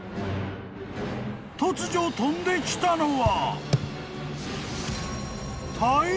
［突如飛んできたのは］